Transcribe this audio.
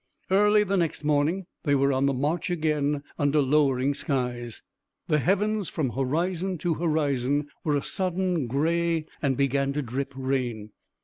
Early the next morning they were on the march again under lowering skies. The heavens from horizon to horizon were a sodden gray and began to drip rain.